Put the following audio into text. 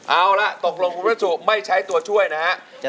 เอาละตกลงคุณพระสุไม่ใช้ตัวช่วยนะฮะ